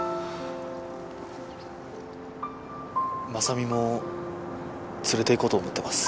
雅美も連れていこうと思ってます。